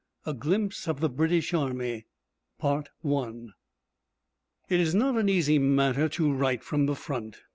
A GLIMPSE OF THE BRITISH ARMY I It is not an easy matter to write from the front.